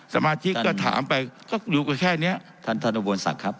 สมาชิกก็ถามไปก็อยู่กันแค่นี้ท่านธนบวนศักดิ์ครับ